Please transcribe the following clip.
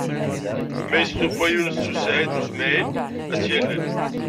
Ma yestufa Yunes u Saɛid u Smaɛil, ad tt-yalel.